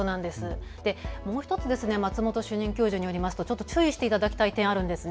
もう１つ、松本主任教授によりますと注意していただきたい点があります。